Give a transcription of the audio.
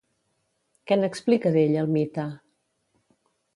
Què n'explica, d'ell, el mite?